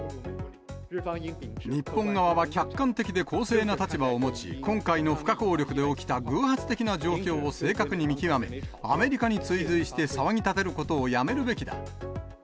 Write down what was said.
日本側は客観的で公正な立場を持ち、今回の不可抗力で起きた偶発的な状況を正確に見極め、アメリカに追随して騒ぎ立てることをやめるべきだ。